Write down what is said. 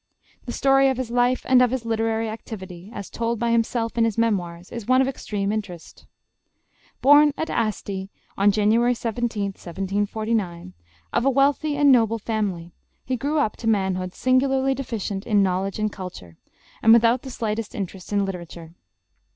The story of his life and of his literary activity, as told by himself in his memoirs, is one of extreme interest. Born at Asti, on January 17th, 1749, of a wealthy and noble family, he grew up to manhood singularly deficient in knowledge and culture, and without the slightest interest in literature.